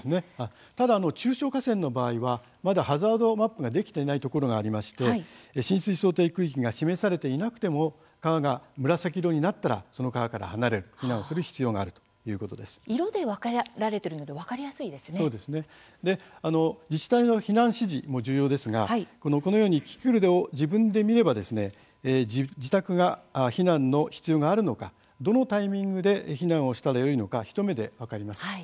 ただ中小河川の場合はまだハザードマップができていないところがありまして浸水想定区域が示されていなくても、川が紫色になったらその川から離れる避難をする必要がある色で分けられているので自治体の避難指示も重要ですが、このようにキキクルを自分で見れば自宅が避難の必要があるのかどのタイミングで避難をしたらよいのか一目で分かります。